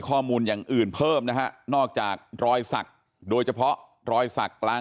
ข้อมูลอย่างอื่นเพิ่มนะฮะนอกจากรอยสักโดยเฉพาะรอยสักกลาง